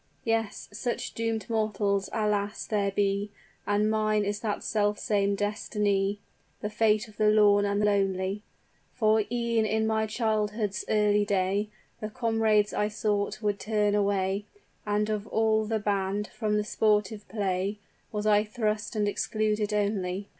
"Yes; such doomed mortals, alas! there be And mine is that self same destiny; The fate of the lorn and lonely; For e'en in my childhood's early day, The comrades I sought would turn away; And of all the band, from the sportive play Was I thrust and excluded only.